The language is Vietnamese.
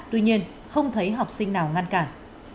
tuy nhiên không thấy học sinh nào ngăn cản